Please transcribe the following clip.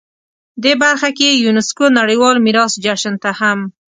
دې برخه کې یونسکو نړیوال میراث جشن ته هم